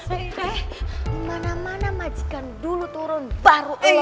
eh mana mana majikan dulu turun baru elok